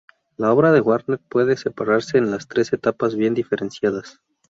La obra de Warner puede separarse en tres etapas bien diferenciadas.